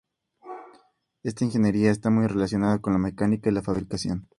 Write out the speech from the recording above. Esta ingeniería está muy relacionada con la mecánica y la fabricación.